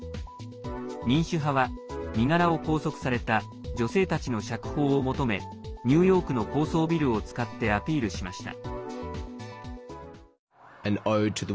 民主派は身柄を拘束された女性たちの釈放を求めニューヨークの高層ビルを使ってアピールしました。